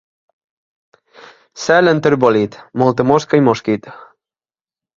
Cel enterbolit, molta mosca i mosquit.